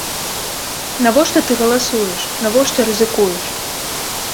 Навошта ты галасуеш, навошта рызыкуеш?